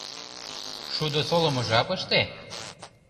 — Шудо солымо жапыште?